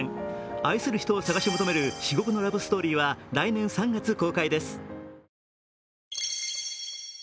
愛する人を捜し求める至極のラブストーリーは来年３月公開です。